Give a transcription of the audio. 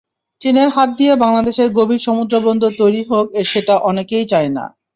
চীনের হাত দিয়ে বাংলাদেশের গভীর সমুদ্রবন্দর তৈরি হোক, সেটা অনেকেই চায় না।